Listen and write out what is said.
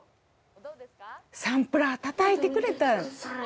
サンプラーたたいてくれた。